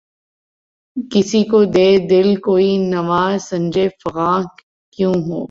کسی کو دے کے دل‘ کوئی نوا سنجِ فغاں کیوں ہو؟